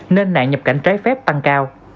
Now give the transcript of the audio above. nên nạn nhập cảnh trái phép tăng cao